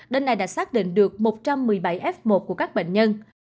đêm nay đã xác định được một trăm một mươi bảy f một của các bệnh nhân